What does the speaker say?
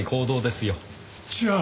じゃあ。